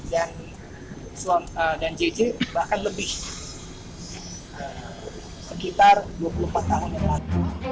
dan jg bahkan lebih sekitar dua puluh empat tahun yang lalu